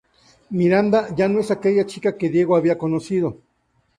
Miranda ya no es aquella chica que Diego había conocido.